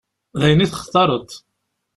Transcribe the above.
D ayen i textareḍ.